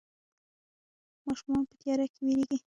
ماشومان په تياره کې ويرېږي.